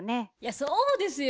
そうですよ。